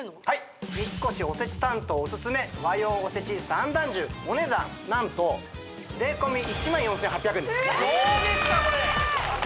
三越おせち担当おすすめ和洋おせち三段重お値段何と税込１万４８００円ですどうですかこれ！